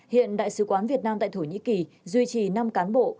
hiện đại sứ quán việt nam tại thổ nhĩ kỳ duy trì năm cán bộ